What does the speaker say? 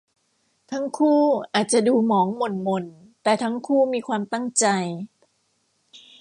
ทั้งคู่อาจจะดูหมองหม่นหม่นแต่ทั้งคู่มีความตั้งใจ